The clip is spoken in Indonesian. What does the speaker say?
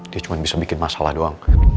dia cuma bisa bikin masalah doang